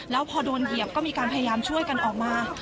แล้วพอโดนเหยียบก็มีการพยายามช่วยกันออกมา